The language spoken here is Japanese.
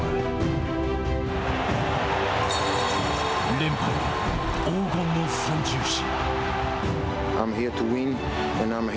連覇へ、黄金の三銃士。